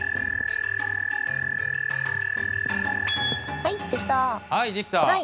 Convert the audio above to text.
はいできた。